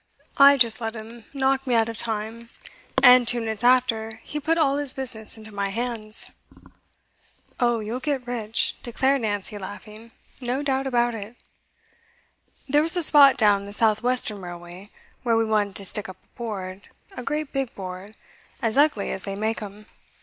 I just let him knock me out of time, and two minutes after he put all his business into my hands.' 'Oh, you'll get rich,' declared Nancy, laughing. 'No doubt about it.' 'There was a spot down the South Western Railway where we wanted to stick up a board, a great big board, as ugly as they make 'em.